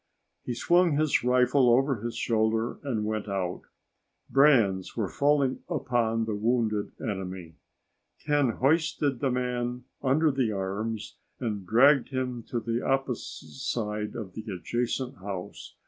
He swung his rifle over his shoulder and went out. Brands were falling upon the wounded enemy. Ken hoisted the man under the arms and dragged him to the opposite side of the adjacent house.